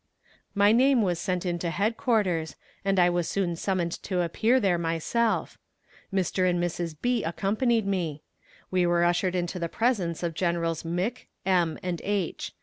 My name was sent in to headquarters, and I was soon summoned to appear there myself. Mr. and Mrs. B. accompanied me. We were ushered into the presence of Generals Mc., M. and H.